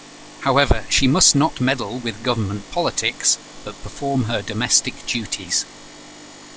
However, she must not meddle with government politics, but perform her domestic duties.